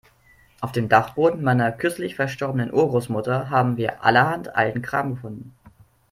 Auf dem Dachboden meiner kürzlich verstorbenen Urgroßmutter haben wir allerhand alten Kram gefunden.